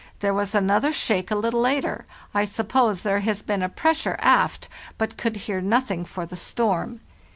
There was another shake a little later; I suppose there has been a pressure aft, but could hear nothing for the storm.